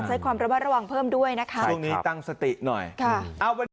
ใช้ความระมัดระวังเพิ่มด้วยนะคะช่วงนี้ตั้งสติหน่อยค่ะ